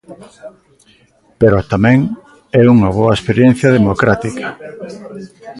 Pero tamén é unha boa experiencia democrática.